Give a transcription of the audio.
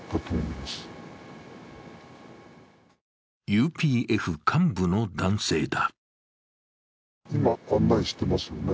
ＵＰＦ幹部の男性だ。